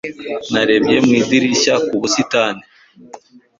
Narebye mu idirishya ku busitani.